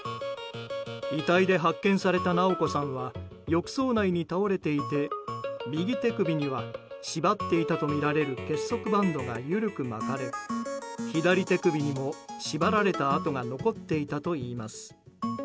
遺体で発見された直子さんは浴槽内に倒れていて右手首には縛っていたとみられる結束バンドが緩く巻かれ、左手首にも縛られた痕が残っていたといいます。